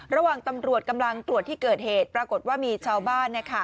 ระหว่างตำรวจกำลังตรวจที่เกิดเหตุปรากฏว่ามีชาวบ้าน